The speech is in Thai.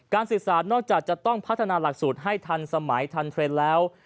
สื่อสารนอกจากจะต้องพัฒนาหลักสูตรให้ทันสมัยทันเทรนด์แล้ว